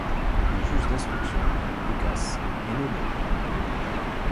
Un juge d'instruction, Ducasse, est nommé.